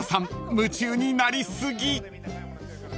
夢中になり過ぎ］